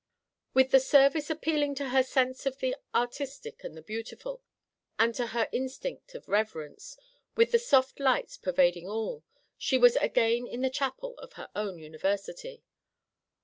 With the service appealing to her sense of the artistic and the beautiful, and to her instinct of reverence; with the soft lights pervading all, she was again in the chapel of her own university.